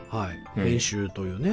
編集というね。